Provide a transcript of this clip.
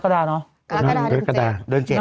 กระดาษเดินกระดาษเดินเจ็บแล้ว